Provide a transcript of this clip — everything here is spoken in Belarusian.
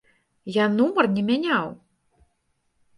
Я нумар не мяняў!